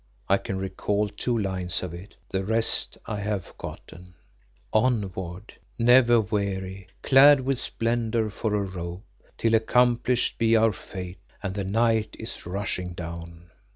I can recall two lines of it; the rest I have forgotten "'Onward, never weary, clad with splendour for a robe! Till accomplished be our fate, and the night is rushing down.